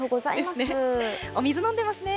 お水飲んでますね。